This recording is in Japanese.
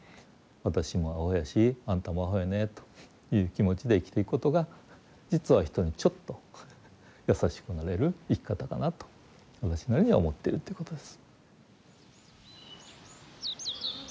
私もアホやしあんたもアホやねという気持ちで生きていくことが実は人にちょっと優しくなれる生き方かなと私なりには思ってるということです。